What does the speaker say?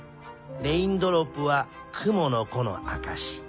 レインドロップはくものコのあかし。